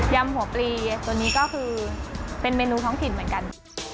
ำหัวปลีตัวนี้ก็คือเป็นเมนูท้องถิ่นเหมือนกัน